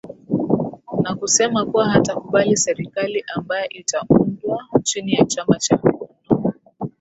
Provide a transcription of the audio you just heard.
na kusema kuwa hatakubali serikali ambae itaudwa chini ya chama cha nrm